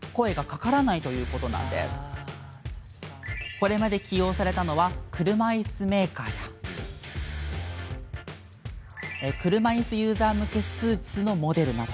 これまで起用されたのは車いすメーカーや車いすユーザー向けスーツのモデルなど。